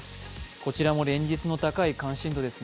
こちらも連日の高い関心度ですね。